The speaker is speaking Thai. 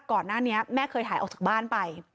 ก่อนหน้านี้แม่เคยหายออกจากบ้านไป